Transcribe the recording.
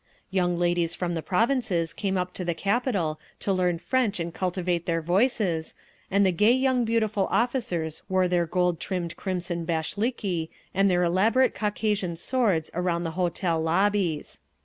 Young ladies from the provinces came up to the capital to learn French and cultivate their voices, and the gay young beautiful officers wore their gold trimmed crimson bashliki and their elaborate Caucasian swords around the hotel lobbies.